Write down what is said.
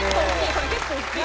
これ結構大きい。